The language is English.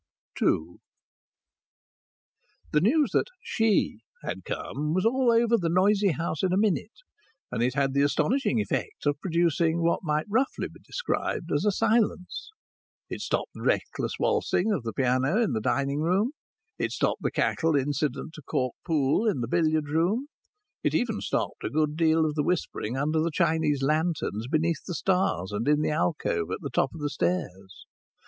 II The news that she had come was all over the noisy house in a minute, and it had the astonishing effect of producing what might roughly be described as a silence. It stopped the reckless waltzing of the piano in the drawing room; it stopped the cackle incident to cork pool in the billiard room; it even stopped a good deal of the whispering under the Chinese lanterns beneath the stairs and in the alcove at the top of the stairs.